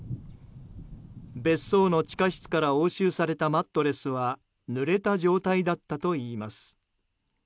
別荘の地下室から押収されたマットレスはぬれた状態だったといいます。